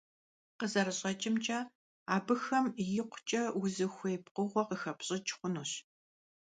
Khızerış'eç'ımç'e, abıxem yikhuç'e vuzıxuêy pkhığue khıxepş'ıç' xhunuş.